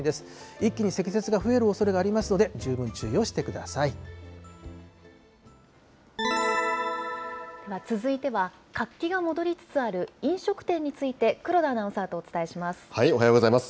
一気に積雪が増えるおそれがありますので、十分注意をしてくださ続いては、活気が戻りつつある飲食店について、黒田アナウンサーとお伝えします。